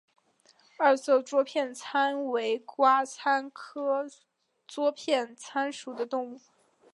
二色桌片参为瓜参科桌片参属的动物。